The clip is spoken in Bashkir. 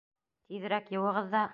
Тиҙерәк йыуығыҙ ҙа.